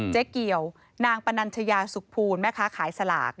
เจ๊เกี่ยวนางปนัญชยาสุขภูลแม่ค้าขายสลาก